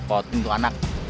repotin tuh anak